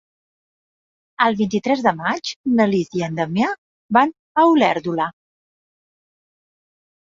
El vint-i-tres de maig na Lis i en Damià van a Olèrdola.